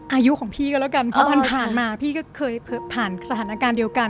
อายุของพี่ก็แล้วกันเพราะผ่านมาพี่ก็เคยผ่านสถานการณ์เดียวกัน